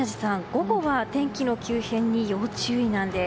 午後は天気の急変に要注意なんです。